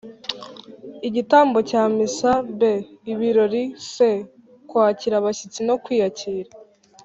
igitambo cya missa ; b) ibirori , c) kwakira abashyitsi no kwiyakira.